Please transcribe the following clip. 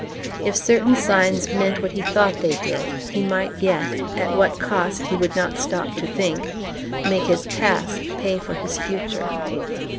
If certain signs meant what he thought they did, he might yet at what cost he would not stop to think make his past pay for his future.